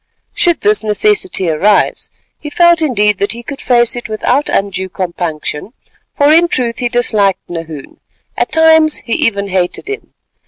Should this necessity arise, he felt indeed that he could face it without undue compunction, for in truth he disliked Nahoon; at times he even hated him.